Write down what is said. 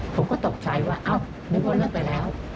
ผมก็ตกใจว่านึกว่าเลิกไปแล้ว